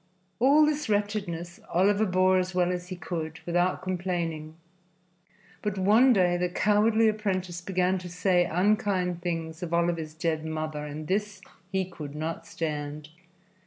All this wretchedness Oliver bore as well as he could, without complaining. But one day the cowardly apprentice began to say unkind things of Oliver's dead mother, and this he could not stand.